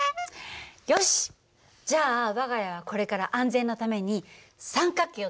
よしじゃあ我が家はこれから安全のために三角形を取り入れましょう。